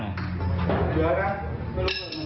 เจอละไปลงเริดหมดกัน